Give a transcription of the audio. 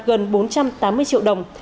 gần bốn trăm tám mươi triệu đồng